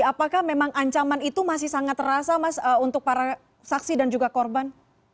apakah memang ancaman itu masih sangat terasa mas untuk para saksi dan juga korban